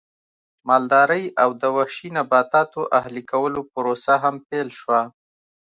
مالدارۍ او د وحشي نباتاتو اهلي کولو پروسه هم پیل شوه